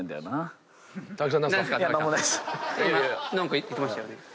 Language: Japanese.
今何か言ってましたよね？